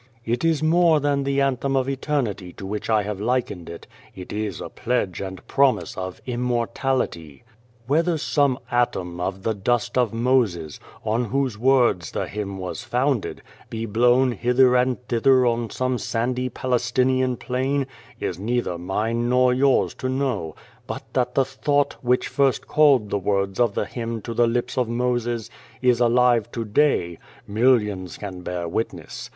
"It is more than the anthem of eternity to which I have likened it. It is a pledge and promise of Immortality. " Whether some atom of the dust of Moses, on whose words the hymn was founded, be blown hither and thither on some sandy Palestinian plain, is neither mine nor yours 129 K The Face Beyond the Door to know, but that the thought, which first called the words of the hymn to the lips of Moses, is alive to day, millions can bear witness.